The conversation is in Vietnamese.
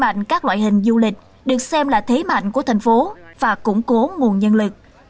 tất cả các loại hình du lịch được xem là thế mạnh của thành phố và củng cố nguồn nhân lực